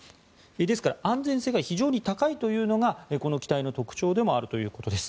ですから、安全性が非常に高いというのがこの機体の特徴でもあるということです。